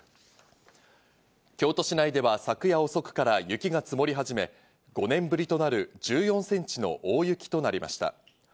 京都市内では昨夜遅くから雪が積もりはじめ、５年ぶりとなる１４センチの大雪となりました。